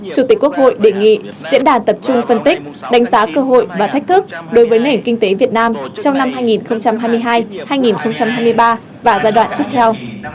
chủ tịch quốc hội đề nghị diễn đàn tập trung phân tích đánh giá cơ hội và thách thức đối với nền kinh tế việt nam trong năm hai nghìn hai mươi hai hai nghìn hai mươi ba và giai đoạn tiếp theo